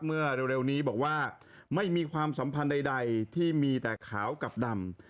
เมื่อเร็วนี้บอกว่าไม่มีความสัมพันธ์ใดที่มีแต่ขาวกับดำ